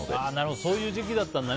そういう時期だったんだね。